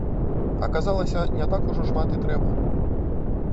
Аказалася, не так ужо шмат і трэба.